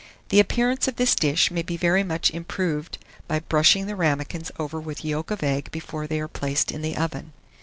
The appearance of this dish may be very much improved by brushing the ramakins over with yolk of egg before they are placed in the oven.